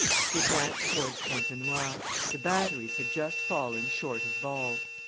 He advanced towards Fontenoy; the batteries had just fallen short of ball.